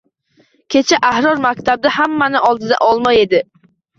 Kecha Ahror maktabda hammaning oldida olma yedi